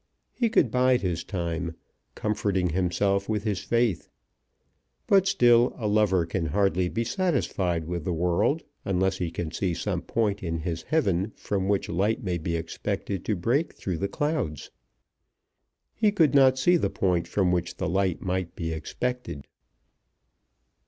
He could bide his time, comforting himself with his faith. But still a lover can hardly be satisfied with the world unless he can see some point in his heaven from which light may be expected to break through the clouds. He could not see the point from which the light might be expected.